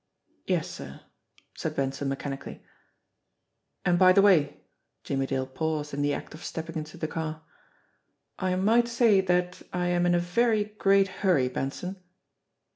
"Yes, sir," said Benson mechanically. "And, by the way" Jimmie Dale paused in the act of stepping into the car "I might say that I am in a very great hurry, Benson."